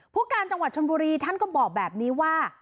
ผู้การจังหวัดชนบุรีท่านก็บอกแบบนี้ว่า